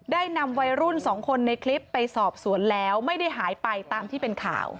นำวัยรุ่นสองคนในคลิปไปสอบสวนแล้วไม่ได้หายไปตามที่เป็นข่าว